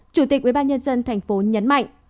chủ tịch ubnd tp nhấn mạnh